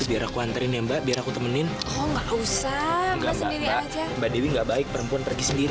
bukan mbak mbak dewi gak baik perempuan pergi sendiri